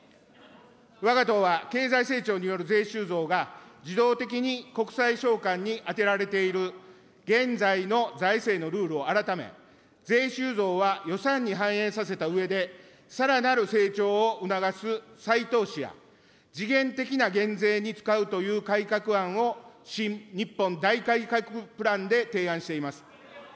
わが党は経済成長による税収増が、自動的に国債償還に充てられている現在の財政のルールを改め、税収増は予算に反映させたうえで、さらなる成長を促す再投資や、時限的な減税に使うという改革案を、新・日本大改革プランで提案しています。